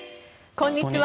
こんにちは。